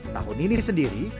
tahun ini sendiri